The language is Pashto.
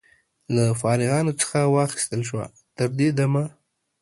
له فارغانو څخه واخیستل شوه. تر دې دمه